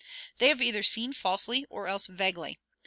They have either seen falsely or else vaguely.